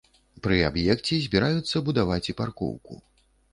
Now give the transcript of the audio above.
Пры аб'екце збіраюцца будаваць і паркоўку.